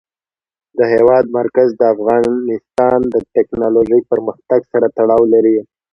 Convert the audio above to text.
د هېواد مرکز د افغانستان د تکنالوژۍ پرمختګ سره تړاو لري.